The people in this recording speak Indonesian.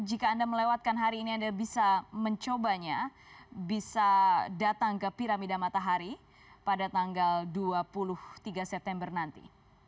jika anda melewatkan hari ini anda bisa mencobanya bisa datang ke piramida matahari pada tanggal dua puluh tiga september nanti